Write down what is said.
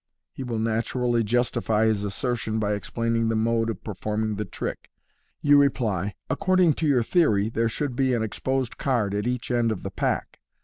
He will naturally justify his assertion by explaining the mode of performing the trick. You reply, " According to your theory, there should be an exposed card at each end of the pack.